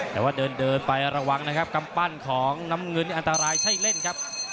แต่ว่าเดินเดินไประวังนะครับกำปั้นของน้ำเงินนี่อันตรายใช่เล่นครับ